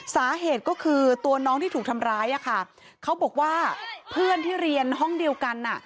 สาเหตุก็คือตัวน้องที่ถูกทำร้ายอ่ะค่ะเขาบอกว่าเพื่อนที่เรียนห้องเดียวกันอ่ะ